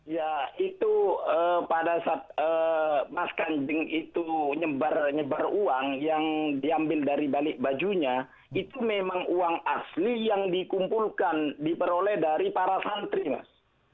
ya itu pada saat mas kanjeng itu nyebar uang yang diambil dari balik bajunya itu memang uang asli yang dikumpulkan diperoleh dari para santri mas